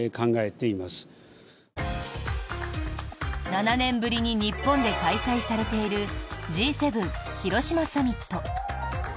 ７年ぶりに日本で開催されているＧ７広島サミット。